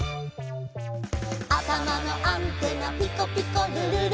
「あたまのアンテナピコピコるるる」